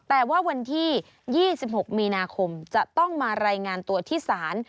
แต่ว่าวันที่๒๖มีนาคมจะต้องมารายงานตัวที่ศาล